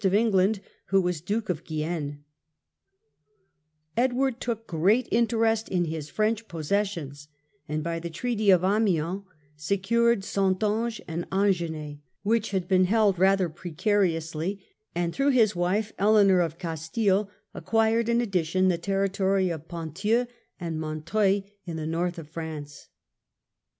of England who was Duke of Guienne. English Edward took great interest in his French possessions, in France and by the Treaty of Amiens secured Saintonge and Agenais, which had been held rather precariously, and through his wife, Eleanor of Castile, acquired in addition the territory of Ponthieu and Montreuil in the North of France.